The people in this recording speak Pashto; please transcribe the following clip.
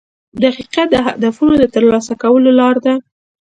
• دقیقه د هدفونو د ترلاسه کولو لار ده.